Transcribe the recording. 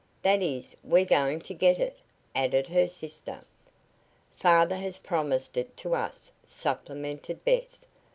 "That is, we're going to get it," added her sister. "Father has promised it to us;" supplemented Bess.